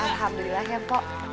alhamdulillah ya mpok